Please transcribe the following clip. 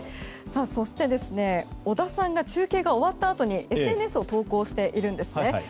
そして、織田さんが中継が終わったあとにＳＮＳを投稿しているんですね。